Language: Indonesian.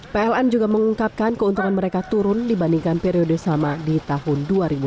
pln juga mengungkapkan keuntungan mereka turun dibandingkan periode sama di tahun dua ribu dua puluh